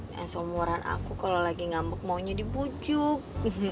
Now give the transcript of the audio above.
yang seumuran aku kalau lagi ngambek maunya dibujuk